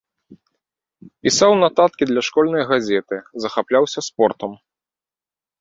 Пісаў нататкі для школьнай газеты, захапляўся спортам.